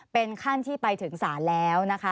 เป็นขั้นที่ไปถึงศาลแล้วนะคะ